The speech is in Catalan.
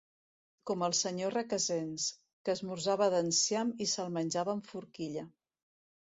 Com el senyor Requesens, que esmorzava d'enciam i se'l menjava amb forquilla.